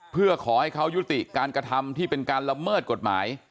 เพื่อขอให้เขายุติการกระทำที่เป็นการละเมิดกฎหมาย